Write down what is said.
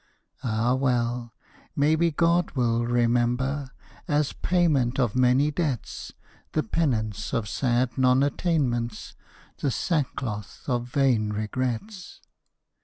Ah, well! maybe God will remember, As payment of many debts, The penance of sad non attainments, The sackcloth of vain regrets.